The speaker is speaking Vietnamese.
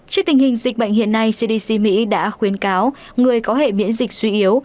trước tình hình dịch bệnh hiện nay cdc mỹ đã khuyến cáo người có hệ miễn dịch suy yếu